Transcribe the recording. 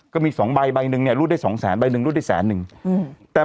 ก็มีสองใบใบหนึ่งเนี่ยรูดได้สองแสนใบหนึ่งรูดได้แสนหนึ่งอืมแต่